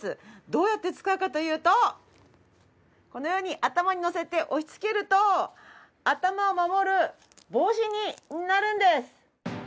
どうやって使うかというとこのように頭にのせて押しつけると頭を守る帽子になるんです！